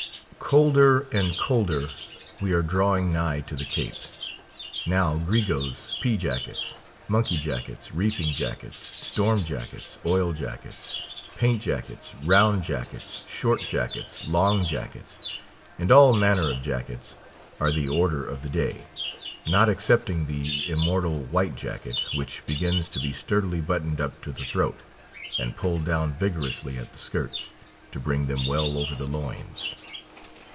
Colder and colder; we are drawing nigh to the Cape. Now gregoes, pea jackets, monkey jackets reefing jackets, storm jackets, oil jackets, paint jackets, round jackets short jackets, long jackets, and all manner of jackets, are the order of the day, not excepting the immortal white jacket, which begins to be sturdily buttoned up to the throat, and pulled down vigorously at the skirts, to bring them well over the loins.